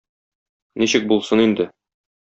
Ничек булсын инде...